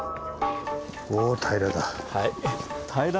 おお平らだ。